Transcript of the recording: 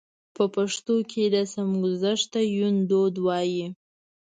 په پښتو کې رسمګذشت ته يوندود وايي.